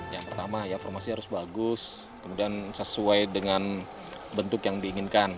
yang pertama ya formasi harus bagus kemudian sesuai dengan bentuk yang diinginkan